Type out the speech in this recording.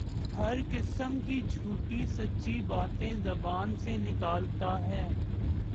ہر قسم کی جھوٹی سچی باتیں زبان سے نکالتا ہے